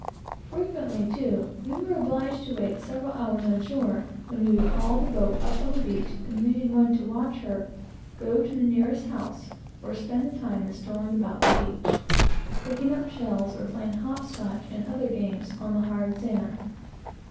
Frequently, too, we were obliged to wait several hours on shore; when we would haul the boat up on the beach, and leaving one to watch her, go up to the nearest house, or spend the time in strolling about the beach, picking up shells, or playing hopscotch, and other games, on the hard sand.